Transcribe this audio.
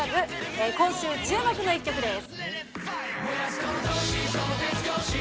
今週注目の一曲です。